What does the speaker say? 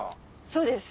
そうです。